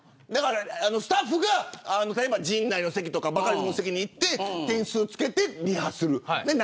スタッフが例えば陣内の席とかバカリズムの席で点数を付けてリハをやる。